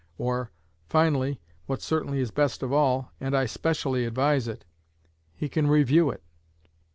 Or, finally, what certainly is best of all, and I specially advise it, he can review it.